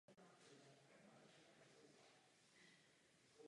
Nestačí pouze podepsat dohody o rybolovu.